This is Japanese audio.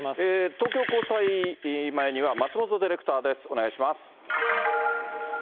東京高裁前には松本ディレクターです。